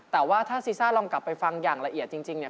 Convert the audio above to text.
แต่ว่าถ้าซีซ่าลองกลับไปฟังอย่างละเอียดจริงเนี่ย